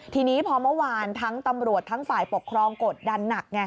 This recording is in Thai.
ทีนี้พอเมื่อวานทั้งตำรวจทั้งฝ่ายปกครองกดดันหนักไง